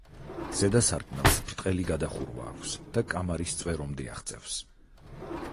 ზედა სარკმელს ბრტყელი გადახურვა აქვს და კამარის წვერომდე აღწევს.